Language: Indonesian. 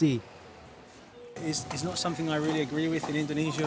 itu bukan sesuatu yang saya setuju dengan di indonesia